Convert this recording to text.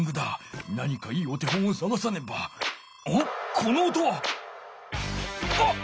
この音は！あっ！